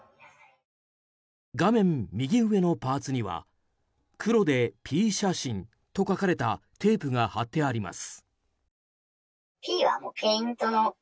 画面右上のパーツには黒でＰ写真と書かれたテープが貼ってあります。